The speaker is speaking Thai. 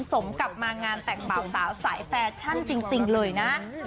สมกับมางานแต่งบ่าวสาวสายแฟชั่นจริงเลยนะ